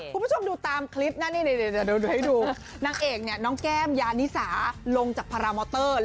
คุณผู้ชมดูตามคลิปนั่นนางเอกเนี่ยนางแก้มยานิสาลงจากพารามอเตอร์